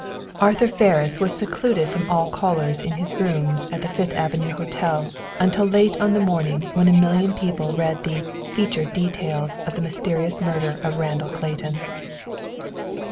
Arthur Ferris was secluded from all callers in his rooms at the Fifth Avenue Hotel until late on the morning when a million people read the "featured" details of the mysterious murder of Randall Clayton.